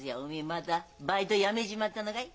またバイト辞めちまったのがい？